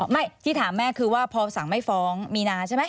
ไม่ที่ถามแม่คือว่าพอสั่งไม่ฟ้องมีนาใช่ไหม